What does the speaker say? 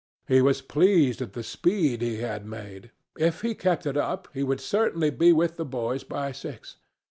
He was pleased at the speed he had made. If he kept it up, he would certainly be with the boys by six.